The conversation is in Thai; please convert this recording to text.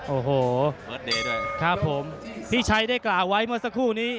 โอ้โหพี่ชัยได้กล่าวไว้เมื่อสักครู่นี้